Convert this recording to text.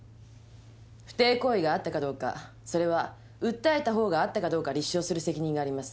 不貞行為があったかどうかそれは訴えたほうがあったかどうか立証する責任があります。